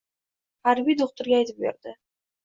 Harbiy do‘xtirga aytib berdi.